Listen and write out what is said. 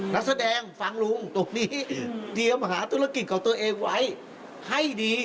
นักแสดงฟังลุงตกนี้เตรียมหาธุรกิจของตัวเองไว้ให้ดี